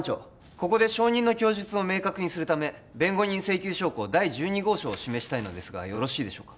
ここで証人の供述を明確にするため弁護人請求証拠第１２号証を示したいのですがよろしいでしょうか？